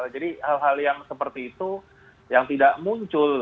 jadi hal hal yang seperti itu yang tidak muncul